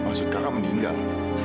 maksud kakak meninggal